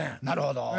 なるほど。